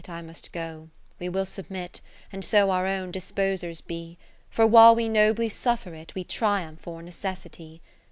12 IV Yet I must go : we will submit, And so our own disposers be ; For while we nobly suffer it, We triumph o'er Necessity.